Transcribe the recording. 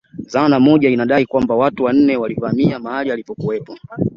Dhana moja inadai kwamba watu wanne walivamia mahali alipokuwepo